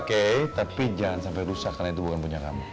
oke tapi jangan sampai rusak karena itu bukan punya kamu